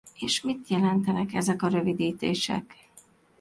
És mit jelentenek ezek a rövidítések?